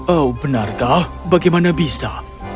oh benarkah bagaimana bisa